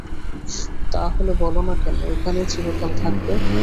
তা হলে বলো-না কেন, এইখানেই চিরকাল থাকবে।